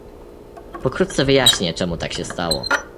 Pokrótce wyjaśnię, czemu tak się stało